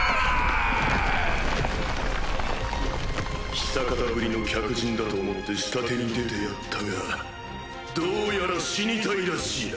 久方ぶりの客人だと思って下手に出てやったがどうやら死にたいらしいな。